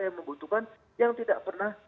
yang membutuhkan yang tidak pernah